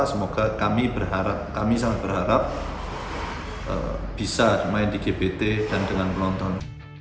semoga kami berharap kami sangat berharap bisa main di gbt dan dengan penonton